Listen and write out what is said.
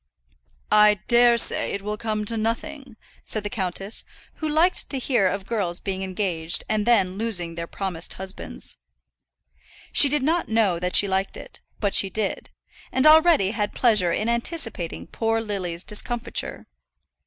"I dare say it will come to nothing," said the countess, who liked to hear of girls being engaged and then losing their promised husbands. She did not know that she liked it, but she did; and already had pleasure in anticipating poor Lily's discomfiture.